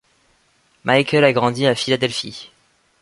Michael a grandi à Philadelphie.